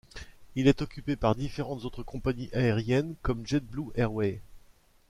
Il est occupé par différentes autres compagnies aériennes comme JetBlue Airways.